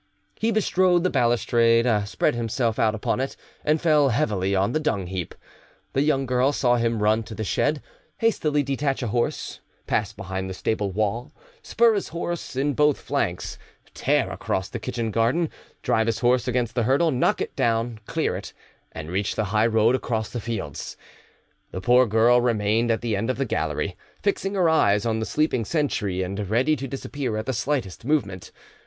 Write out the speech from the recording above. He bestrode the balustrade, spread himself out upon it, and fell heavily on the dungheap. The young girl saw him run to the shed, hastily detach a horse, pass behind the stable wall, spur his horse in both flanks, tear across the kitchen garden, drive his horse against the hurdle, knock it down, clear it, and reach the highroad across the fields. The poor girl remained at the end of the gallery, fixing her eyes on the sleeping sentry, and ready to disappear at the slightest movement.